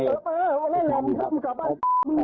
มึงบอกนะมึงจะให้กูไม่พบใครเนี่ย